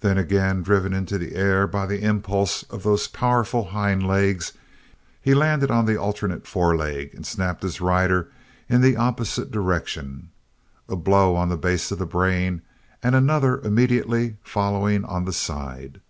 Then again driven into the air by the impulse of those powerful hind legs, he landed on the alternate foreleg and snapped his rider in the opposite direction a blow on the base of the brain and another immediately following on the side.